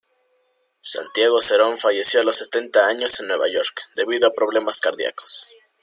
Santiago Cerón falleció a los setenta años en Nueva York debido a problemas cardíacos.